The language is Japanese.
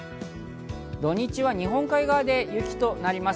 土日は日本海側で雪となります。